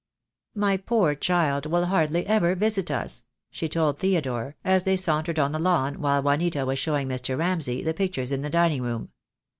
"My poor child will hardly ever visit us," she told Theodore, as they sauntered on the lawn while Juanita was showing Mr. Ramsay the pictures in the dining room.